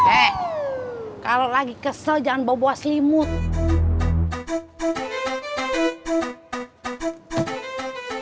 eh kalau lagi kesel jangan bawa buah selimut